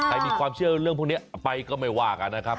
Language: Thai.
มีความเชื่อเรื่องพวกนี้ไปก็ไม่ว่ากันนะครับ